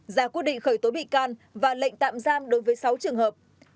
ra quyết định khởi tố bị can và lệnh tạm giam đối với sáu trường hợp